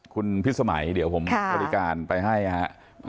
คุณพิษสมัยเดี๋ยวผมบริการไปให้ครับ